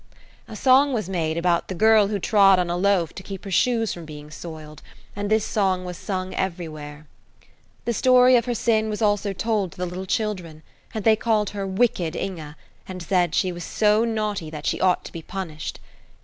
A song was made about "The girl who trod on a loaf to keep her shoes from being soiled," and this song was sung everywhere. The story of her sin was also told to the little children, and they called her "wicked Inge," and said she was so naughty that she ought to be punished.